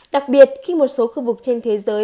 đặc biệt khi một số khu vực trên thế giới